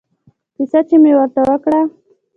کيسه چې مې ورته وکړه.